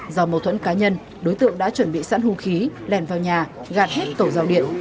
do mâu thuẫn cá nhân đối tượng đã chuẩn bị sẵn hùng khí lèn vào nhà gạt hết cầu giao điện